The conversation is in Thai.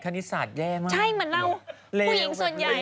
ใช่เหมือนเราคุยิงส่วนใหญ่